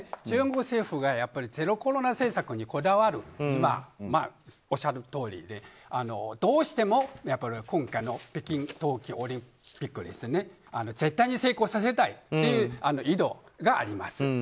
中国政府がゼロコロナ政策にこだわるおっしゃるとおりで、どうしても北京冬季オリンピックを絶対に成功させたいという意図があります。